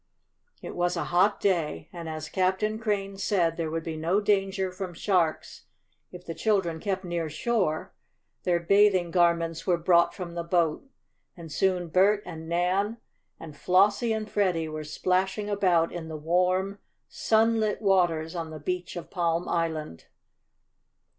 It was a hot day, and as Captain Crane said there would be no danger from sharks if the children kept near shore, their bathing garments were brought from the boat, and soon Bert and Nan, and Flossie and Freddie, were splashing about in the warm sun lit waters on the beach of Palm Island.